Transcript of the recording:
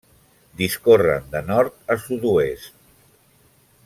Discorren de nord a sud-oest.